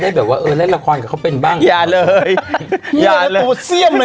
แบบว่าเออเล่นละครกับเขาเป็นบ้างอย่าเลยอย่าปูเสี้ยมเลย